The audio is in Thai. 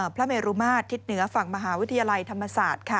พระเมลุมาตในฝั่งมหาวิทยาลัยธรรมศาสตร์ค่ะ